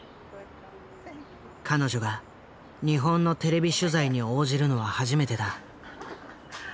彼女が日本のテレビ取材に応じるのは初めてだ。